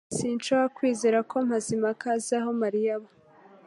Sinshobora kwizera ko Mazimpaka azi aho Mariya aba